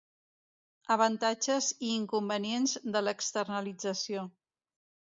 Avantatges i inconvenients de l'externalització.